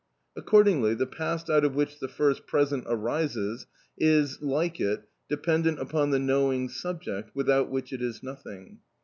Accordingly the past out of which the first present arises, is, like it, dependent upon the knowing subject, without which it is nothing.